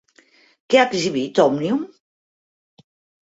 Què ha exhibit Òmnium?